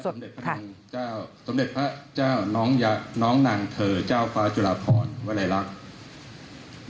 เจ้าสมเด็จพระเจ้าน้องนางเธอเจ้าฟ้าจุลาพรวลัยลักษณ์